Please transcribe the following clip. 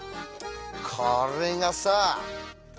これがさ。